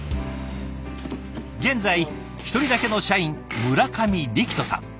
現在一人だけの社員村上力斗さん。